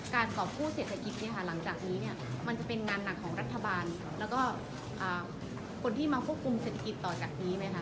ต่อสู้เศรษฐกิจเนี่ยค่ะหลังจากนี้เนี่ยมันจะเป็นงานหนักของรัฐบาลแล้วก็คนที่มาควบคุมเศรษฐกิจต่อจากนี้ไหมคะ